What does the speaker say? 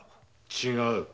違う。